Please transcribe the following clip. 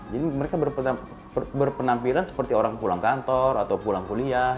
jadi mereka berpenampilan seperti orang pulang kantor atau pulang kuliah